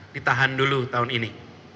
ditahan dulu tahun ini